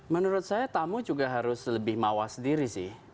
menurut saya tamu juga harus lebih mawas diri sih